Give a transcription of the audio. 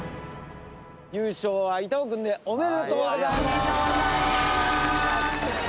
優勝は伊藤君でおめでとうございます！